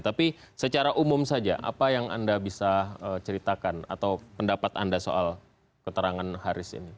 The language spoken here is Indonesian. tapi secara umum saja apa yang anda bisa ceritakan atau pendapat anda soal keterangan haris ini